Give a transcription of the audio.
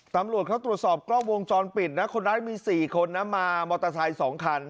ตำรวจเขาตรวจสอบกล้องวงจรปิดนะคนร้ายมี๔คนนะมามอเตอร์ไซค์๒คัน